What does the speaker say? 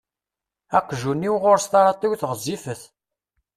Aqjun-iw ɣur-s taṛatiwt ɣezzifet.